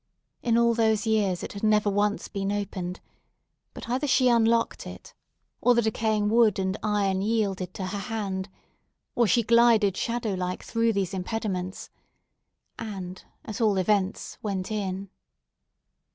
In all those years it had never once been opened; but either she unlocked it or the decaying wood and iron yielded to her hand, or she glided shadow like through these impediments—and, at all events, went in.